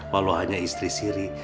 walau hanya istri siri